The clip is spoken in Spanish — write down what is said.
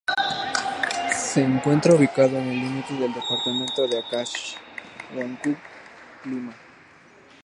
Se encuentra ubicado en el límite de los departamentos de Áncash, Huánuco y Lima.